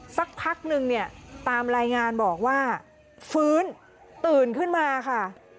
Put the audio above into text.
สักพักนึงเนี่ยตามรายงานบอกว่าฟื้นตื่นขึ้นมาค่ะ